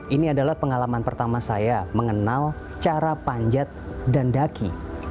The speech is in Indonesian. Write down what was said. ini adalah pengalaman pertama saya mengenal cara panjat dan daki